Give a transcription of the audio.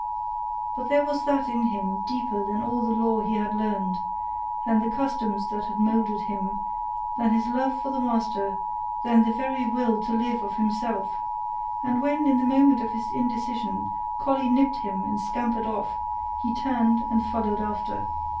But there was that in him deeper than all the law he had learned, than the customs that had moulded him, than his love for the master, than the very will to live of himself; and when, in the moment of his indecision, Collie nipped him and scampered off, he turned and followed after.